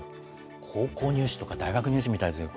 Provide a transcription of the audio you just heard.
高校入試とか大学入試みたいですね。